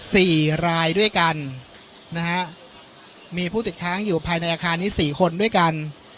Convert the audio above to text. สี่รายด้วยกันนะฮะมีผู้ติดค้างอยู่ภายในอาคารนี้สี่คนด้วยกัน